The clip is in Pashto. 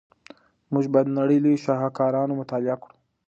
موږ باید د نړۍ لوی شاهکارونه مطالعه کړو.